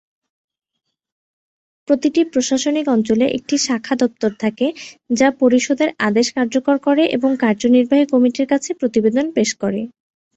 প্রতিটি প্রশাসনিক অঞ্চলে একটি শাখা দপ্তর থাকে, যা পরিষদের আদেশ কার্যকর করে এবং কার্যনির্বাহী কমিটির কাছে প্রতিবেদন পেশ করে।